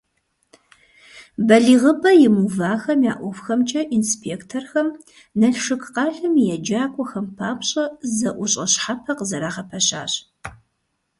БалигъыпӀэ имыувахэм я ӀуэхухэмкӀэ инспекторхэм Налшык къалэм и еджакӀуэхэм папщӀэ зэӀущӀэ щхьэпэ къызэрагъэпэщащ.